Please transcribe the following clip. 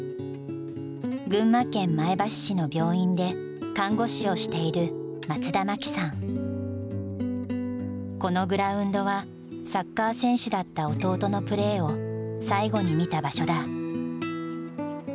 群馬県前橋市の病院で看護師をしているこのグラウンドはサッカー選手だった弟のプレーを最後に見た場所だ。